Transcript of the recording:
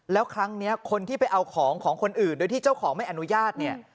แล้วครั้งนี้คนที่ไปเอาของของคนอื่นโดยที่เจ้าของไม่อนุญาตเนี่ย